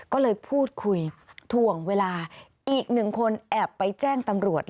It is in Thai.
ก็เลยพูดคุยถ่วงเวลาอีกหนึ่งคนแอบไปแจ้งตำรวจ